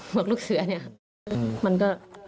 หมวกลูกเสือนี่มันก็